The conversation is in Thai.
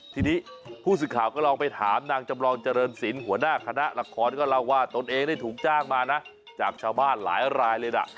ทีนี้ผู้สื่อข่าวก็ลองไปถามนางจำลองเจริญศิลป์หัวหน้าคณะละครก็เล่าว่าตนเองได้ถูกจ้างมานะจากชาวบ้านหลายรายเลยนะ